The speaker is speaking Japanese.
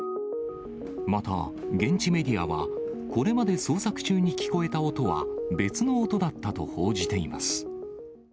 また、現地メディアは、これまで捜索中に聞こえた音は、別の音だったと報じています。